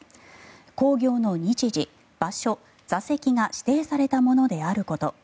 興行の日時、場所、座席が指定されたものであること。